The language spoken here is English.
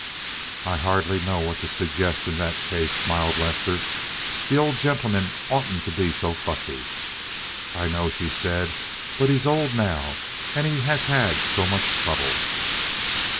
"I hardly know what to suggest in that case," smiled Lester. "The old gentleman oughtn't to be so fussy." "I know," she said, "but he's old now, and he has had so much trouble."